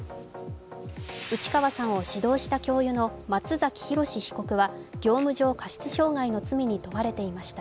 内川さんを指導した教諭の松崎浩史被告は業務上過失傷害の罪に問われていました。